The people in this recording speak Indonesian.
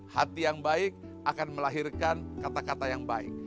hati yang baik akan melahirkan kata kata yang baik